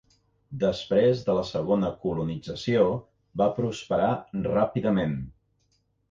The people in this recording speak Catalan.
Després de la segona colonització va prosperar ràpidament.